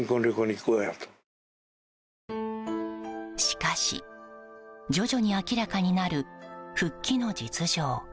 しかし、徐々に明らかになる復帰の実情。